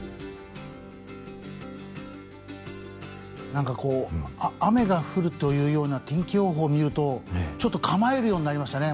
何かこう雨が降るというような天気予報を見るとちょっと構えるようになりましたね